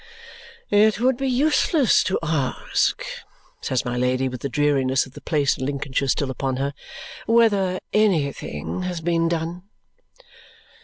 "It would be useless to ask," says my Lady with the dreariness of the place in Lincolnshire still upon her, "whether anything has been done."